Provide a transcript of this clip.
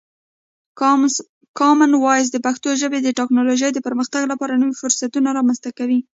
کامن وایس د پښتو ژبې د ټکنالوژۍ د پرمختګ لپاره نوی فرصتونه رامنځته کوي.